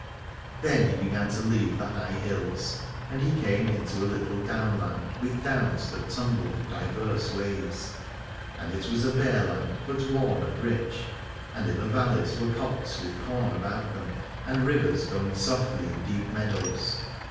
Then he began to leave the high hills, and he came into a little downland with downs that tumbled divers ways. And it was a bare land, but warm and rich : and in the valleys were cots with corn about them, and rivers going softly in deep meadows.